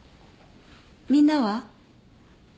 みんなは？